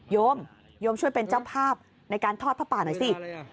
โยมโยมช่วยเป็นเจ้าภาพในการทอดผ้าป่าหน่อยสิ